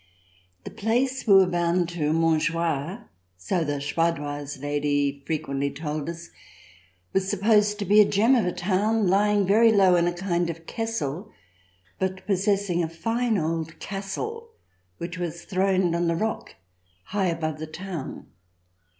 The place we were bound to, Montjoie, so the Spadoise lady frequently told us, was supposed to be a gem of a town, lying very low in a kind of kessel, but possessing a fine old castle, which was throned on the rock high above the town.